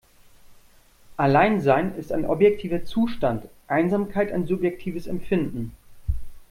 Alleinsein ist ein objektiver Zustand, Einsamkeit ein subjektives Empfinden.